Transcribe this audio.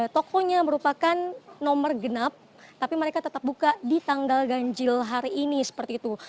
tokonya merupakan nomor genap tapi mereka tetap buka di tanggal ganjil hari ini seperti itu